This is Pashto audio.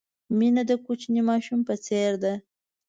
مینه د کوچني ماشوم په څېر ده.